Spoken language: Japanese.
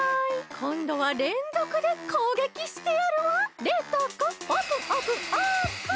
こんどはれんぞくでこうげきしてやるわ！冷凍庫オープン！